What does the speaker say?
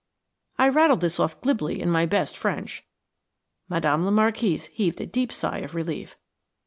I rattled this off glibly in my best French. Madame la Marquise heaved a deep sigh of relief.